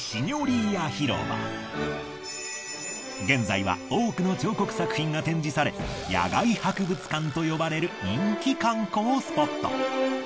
現在は多くの彫刻作品が展示され野外博物館と呼ばれる人気観光スポット。